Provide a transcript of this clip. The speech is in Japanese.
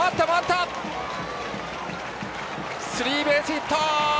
スリーベースヒット。